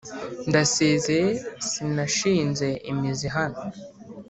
ndasezeye sinashinze imizi hano